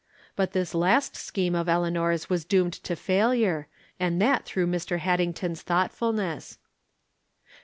But this last scheme of Eleanor's was doomed to faUure, and that through Mr. Haddington's thoughtfulness.